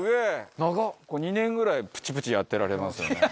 ２年ぐらいプチプチやってられますよね。